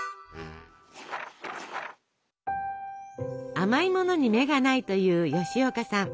甘いものに目がないという吉岡さん。